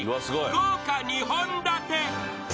［豪華２本立て］